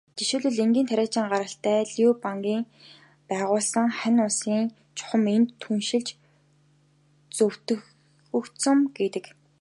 Жишээлбэл, энгийн тариачин гаралтай Лю Бангийн байгуулсан Хань улс чухам энд түшиглэж зөвтгөгдсөн гэдэг.